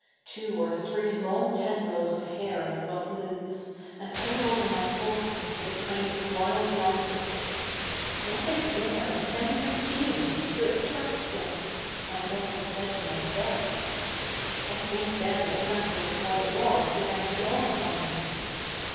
Two or three long tendf'ils oj hair had got loose, and hung over 7)iy forehead with a kind of wild laftguor. ' What is the7'e that me7i ca7i see in 77ie to attract them ?'/ had often said to 77iyself I think the7i a something of what it was bega7i to dawn up07i me.